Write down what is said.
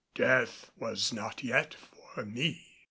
Death was not yet for me.